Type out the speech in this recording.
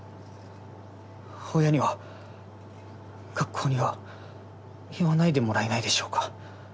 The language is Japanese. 親には学校には言わないでもらえないでしょうか。